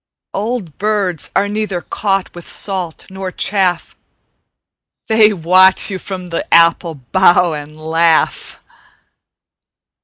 Old birds are neither caught with salt nor chaff: They watch you from the apple bough and laugh.